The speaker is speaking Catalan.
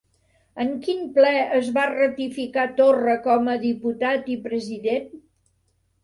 En quin ple es va ratificar Torra com a diputat i president?